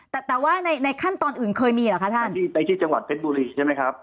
แต่ว่าในขั้นตอนอื่นเคยมีเหรอคะท่านที่ในที่จังหวัดเพชรบุรีใช่ไหมครับ